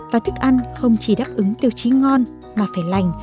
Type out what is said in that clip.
và thức ăn không chỉ đáp ứng tiêu chí ngon mà phải lành